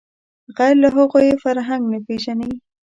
غیر له هغو چې فرهنګ نه پېژني